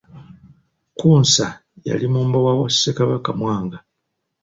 Kkunsa yali mumbowa wa Ssekabaka Mwanga.